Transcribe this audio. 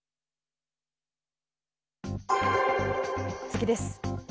次です。